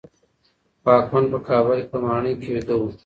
واکمن په کابل کې په ماڼۍ کې ویده و.